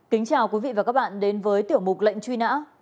kính chào quý vị và các bạn đến với tiểu mục lệnh truy nã